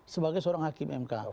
sebagai seorang hakim mk